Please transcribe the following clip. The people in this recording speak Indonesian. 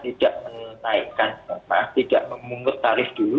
tidak menaikkan maaf tidak memungut tarif dulu